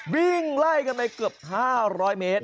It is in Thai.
วิ่งไล่กันไปเกือบ๕๐๐เมตร